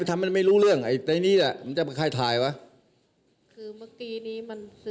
สื่อมวลชนทั้งนั้น